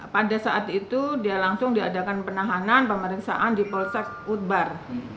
pada saat itu dia langsung diadakan penahanan pemeriksaan di polsek utbar